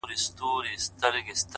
مـــــه كـــــوه او مـــه اشـــنـــا ـ